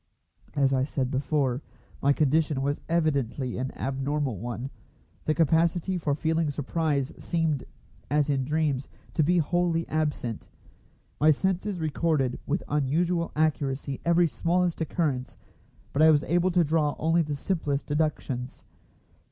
As I said before, my condition was evidently an abnormal one. The capacity for feeling surprise seemed, as in dreams, to be wholly absent. My senses recorded with unusual accuracy every smallest occurrence, but I was able to draw only the simplest deductions.